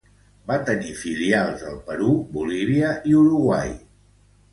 Va tenir filials al Perú, Bolívia i Uruguai.